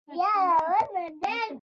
تیمور شاه مو شاته سیټ کې ناست و.